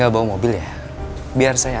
aku mau ambil taksi